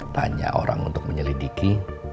tanya orang untuk menyelidiki